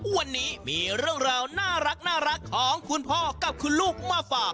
วันนี้มีเรื่องราวน่ารักของคุณพ่อกับคุณลูกมาฝาก